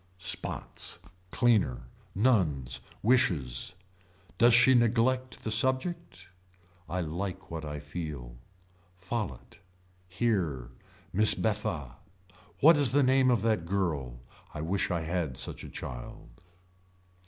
Spots. Cleaner. Nuns. Wishes. Does she neglect the subject. I like what I feel. Folette. Hear. Mrs. Beffa. What is the name of the girl. I wish I had such a child.